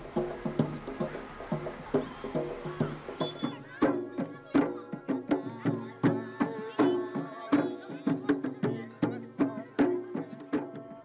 semoga semuanya berhasil